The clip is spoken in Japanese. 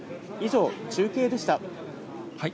以上、中継でした。